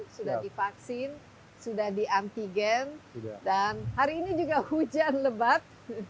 sudah divaksin sudah diantigen dan hari ini juga hujan lebat